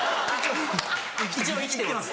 一応生きてます。